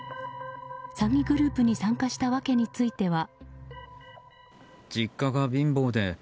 詐欺グループに参加した訳については。